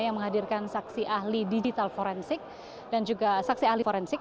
yang menghadirkan saksi ahli digital forensik dan juga saksi ahli forensik